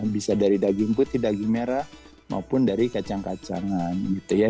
bisa dari daging putih daging merah maupun dari kacang kacangan gitu ya